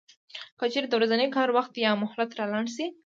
که چېرې د ورځني کار وخت یا مهلت را لنډ شي